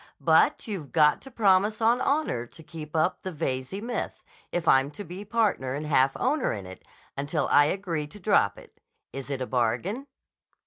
But you've got to promise on honor to keep up the Veyze myth, if I'm to be partner and half owner in it, until I agree to drop it. Is it a bargain?"